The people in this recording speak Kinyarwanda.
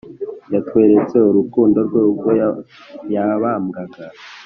yatweretse urukundo rwe, ubwo yabambwaga